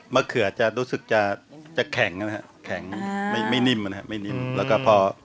มะเขือจะรู้สึกจะแข็งนะครับไม่นิ่มนะครับ